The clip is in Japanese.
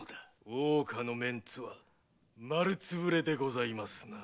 大岡の面子は丸つぶれでございますな。